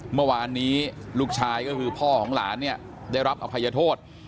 เมื่อวานนี้ลูกชายก็คือพ่อของหลานเนี่ยได้รับอภัยโทษ